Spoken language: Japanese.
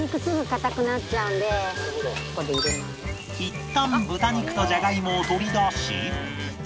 いったん豚肉とジャガイモを取り出し